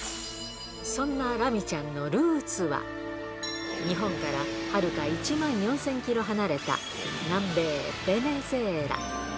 そんなラミちゃんのルーツは、日本からはるか１万４０００キロ離れた南米ベネズエラ。